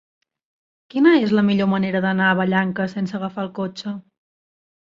Quina és la millor manera d'anar a Vallanca sense agafar el cotxe?